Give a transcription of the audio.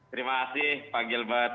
terima kasih pak gilbert